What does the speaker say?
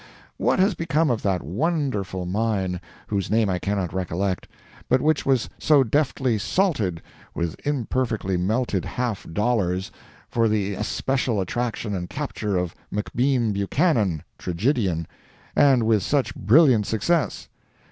What has become of that wonderful mine, whose name I cannot recollect, but which was so deftly "salted" with imperfectly melted half dollars for the especial attraction and capture of McKean Buchanan, tragedian—and with such brilliant success?